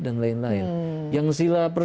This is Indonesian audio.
dan lain lain yang sila